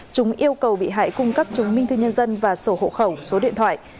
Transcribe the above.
chúng yêu cầu bị hại cung cấp chứng minh thư nhân dân và sổ hộ khẩu số điện thoại